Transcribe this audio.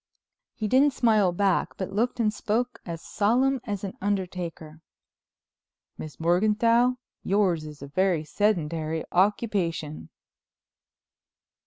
He didn't smile back but looked and spoke as solemn as an undertaker. "Miss Morganthau, yours is a very sedentary occupation."